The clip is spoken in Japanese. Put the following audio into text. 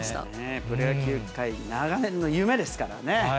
プロ野球界、長年の夢ですからね。